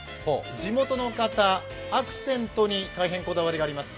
地元の方、アクセントに大変こだわりがあります。